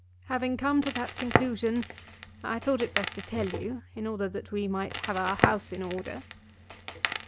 Having come to that conclusion I thought it best to tell you, in order that we might have our house in order."